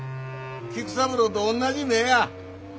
菊三郎とおんなじ目ぇや！